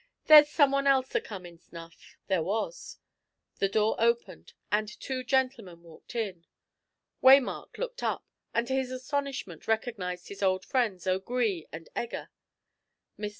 "There's some one else a comin', s'nough." There was. The door opened, and two gentlemen walked in. Waymark looked up, and to his astonishment recognised his old friends O'Gree and Egger. Mr.